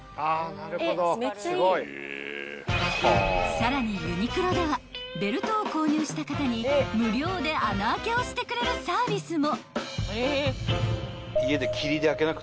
［さらにユニクロではベルトを購入した方に無料で穴あけをしてくれるサービスも］